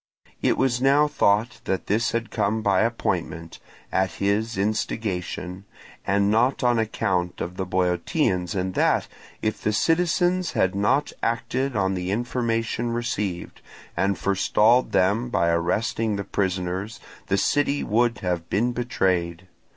It was now thought that this had come by appointment, at his instigation, and not on account of the Boeotians, and that, if the citizens had not acted on the information received, and forestalled them by arresting the prisoners, the city would have been betrayed.